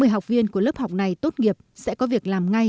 ba mươi học viên của lớp học này tốt nghiệp sẽ có việc làm ngay